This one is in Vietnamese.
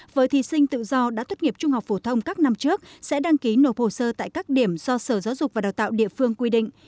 với thí sinh tự do đã tốt nghiệp trung học phổ thông các năm trước sẽ đăng ký nộp hồ sơ tại các điểm do sở giáo dục và đào tạo địa phương quy định